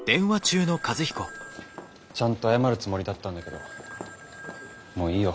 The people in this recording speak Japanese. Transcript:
ちゃんと謝るつもりだったんだけどもういいよ。